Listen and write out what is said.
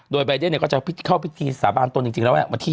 โดยบราญเดียเอ็นเนี่ยเข้าพิธีสาบานตนว่าวันที่๒๐